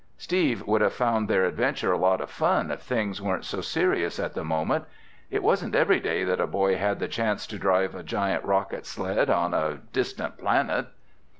Steve would have found their adventure a lot of fun if things weren't so serious at the moment. It wasn't every day that a boy had the chance to drive a giant rocket sled on a distant planet!